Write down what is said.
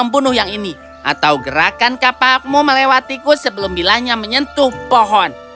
kau membunuh yang ini atau gerakan kapakmu melewati ku sebelum bilanya menyentuh pohon